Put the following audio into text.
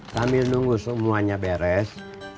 kami nunggu semuanya beres